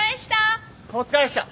お疲れっした。